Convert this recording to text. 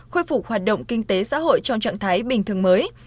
khôi phục hoạt động kinh tế xã hội trong trạng thái bình thường mới